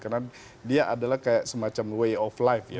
karena dia adalah kayak semacam way of life ya